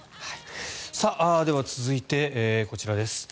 では続いて、こちらです。